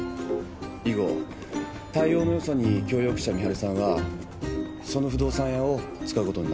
以後対応のよさに気をよくした美晴さんはその不動産屋を使うことになった。